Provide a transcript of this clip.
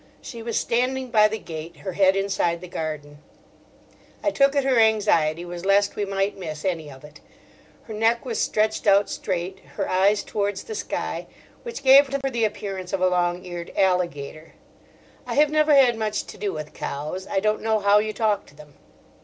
She was standing by the gate, her head inside the garden; I took it her anxiety was lest we might miss any of it. Her neck was stretched out straight, her eyes towards the sky; which gave to her the appearance of a long eared alligator. I have never had much to do with cows. I don't know how you talk to them.